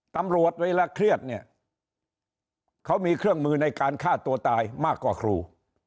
ตำรวจเวลาเครียดเนี่ยเขามีเครื่องมือในการฆ่าตัวตายมากกว่าครู